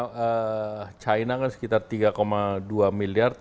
kalau china kan sekitar tiga dua miliar